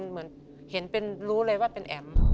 เหมือนเห็นเป็นรู้เลยว่าเป็นแอ๋ม